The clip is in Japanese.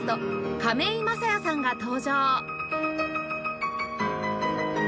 亀井聖矢さんが登場！